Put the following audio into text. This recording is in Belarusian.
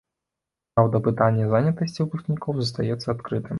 Праўда, пытанне занятасці выпускнікоў застаецца адкрытым.